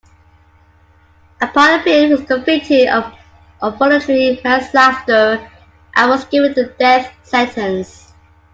Upon appeal, he was convicted of voluntary manslaughter and was given the death sentence.